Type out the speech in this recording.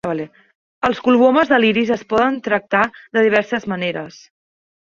Els colobomes de l'iris es poden tractar de diverses maneres.